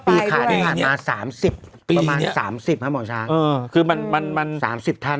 ปีขาญที่ผ่านมาประมาณ๓๐ประมาณ๓๐ครับหมอช้าง